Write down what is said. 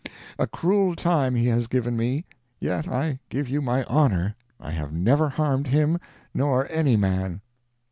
A cruel time he has given me, yet I give you my honor I have never harmed him nor any man.